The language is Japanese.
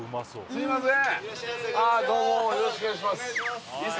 すいません